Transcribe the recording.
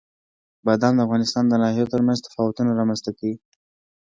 بادام د افغانستان د ناحیو ترمنځ تفاوتونه رامنځ ته کوي.